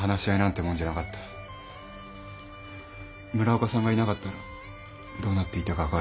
村岡さんがいなかったらどうなっていたか分からない。